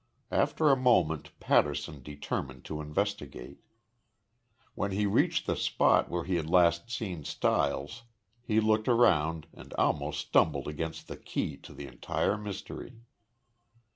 After a moment Patterson determined to investigate. When he reached the spot where he had last seen Stiles he looked around and almost stumbled against the key to the entire mystery.